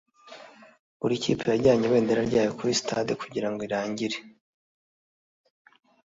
buri kipe yajyanye ibendera ryayo kuri stade kugirango irangire